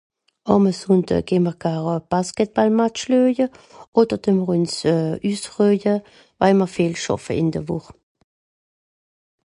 Àm e Sùndöö geh mr gare e Basketballmatch lüeje oder tuen mr ùns üssrüehje, weil mr viel schàffe in de Wùch